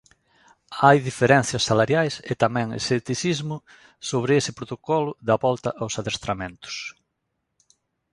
Hai diferenzas salariais, e tamén escepticismo sobre ese protocolo da volta aos adestramentos.